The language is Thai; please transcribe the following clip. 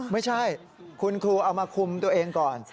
ไม่ใช่คุณครูเอามาคุมตัวเองก่อน